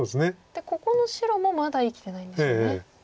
でここの白もまだ生きてないんですよね。